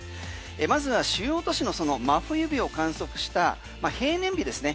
まずは主要都市のその真冬日を観測した、平年日ですね。